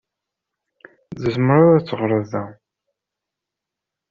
Tzemreḍ ad teɣṛeḍ da.